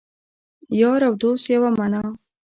یار او دوست یوه معنی